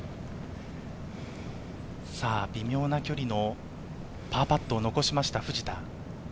微妙な距離のパーパットを残しました、藤田。